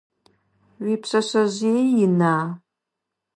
Уипшъэшъэжъые ина?